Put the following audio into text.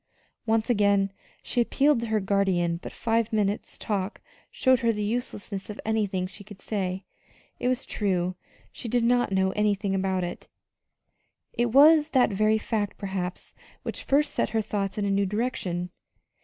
Once again she appealed to her guardian, but five minutes' talk showed her the uselessness of anything she could say it was true, she did not know anything about it. It was that very fact, perhaps, which first sent her thoughts in a new direction.